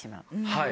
はい。